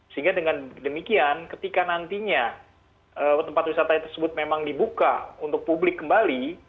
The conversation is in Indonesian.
sehingga dengan demikian ketika nantinya tempat wisata tersebut memang dibuka untuk publik kembali